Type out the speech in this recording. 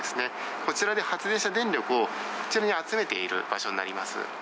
こちらで発電した電力を、こちらに集めている場所になります。